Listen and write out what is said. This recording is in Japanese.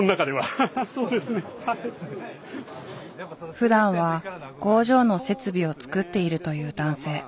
ふだんは工場の設備を作っているという男性。